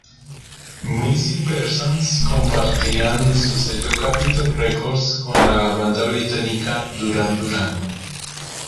Missing Persons compartían su sello Capitol Records con la banda británica Duran Duran.